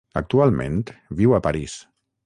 Actualment viu a París.